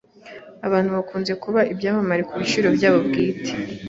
Abantu bakunze kuba ibyamamare kubiciro byabo bwite.